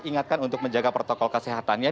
ingatkan untuk menjaga protokol kesehatannya